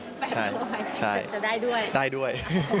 แปะตัวไปจะได้ด้วยนะครับใช่ได้ด้วย